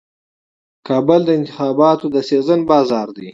کابل د انتخاباتو د سیزن بازار دی.